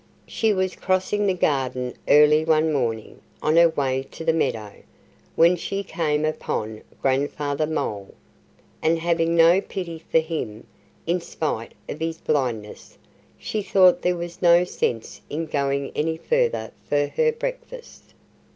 She was crossing the garden early one morning, on her way to the meadow, when she came upon Grandfather Mole. And having no pity for him in spite of his blindness she thought there was no sense in going any further for her breakfast.